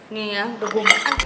nih ya udah gue makan